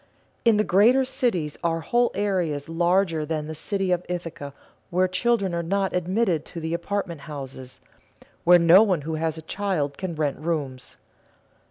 In the greater cities are whole areas larger than the city of Ithaca where children are not admitted to the apartment houses, where no one who has a child can rent rooms.